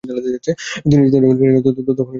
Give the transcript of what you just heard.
তিনি যখন লিটনকে বিয়ে করবেন বলে স্থির করেন তখন